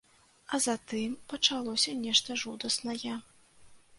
А затым пачалося нешта жудаснае.